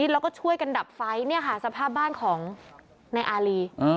แล้วก็ช่วยกันดับไฟเนี่ยค่ะสภาพบ้านของในอารี